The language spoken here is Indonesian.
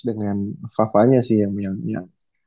dengan fava nya sih yang